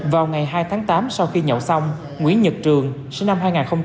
vào ngày hai tháng tám sau khi nhậu xong nguyễn nhật trường sinh năm hai nghìn hai